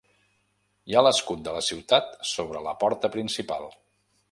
Hi ha l'escut de la ciutat sobre la porta principal.